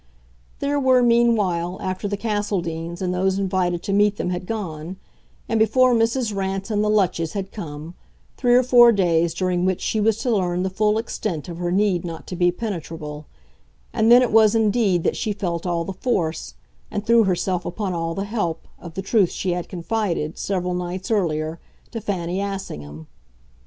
There were meanwhile, after the Castledeans and those invited to meet them had gone, and before Mrs. Rance and the Lutches had come, three or four days during which she was to learn the full extent of her need not to be penetrable; and then it was indeed that she felt all the force, and threw herself upon all the help, of the truth she had confided, several nights earlier, to Fanny Assingham.